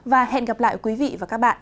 và hẹn gặp lại quý vị và các bạn